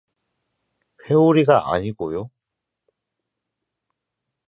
회오리가 아니고요?